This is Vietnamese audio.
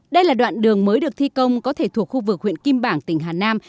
đây là đoạn đường mới được thi công có thể thuộc khu vực huyện kim bảng tỉnh hà nam